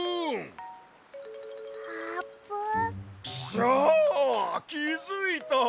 シャきづいた！